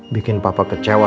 bikin papa kecewa